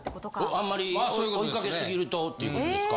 あんまり追いかけすぎるとっていうことですか。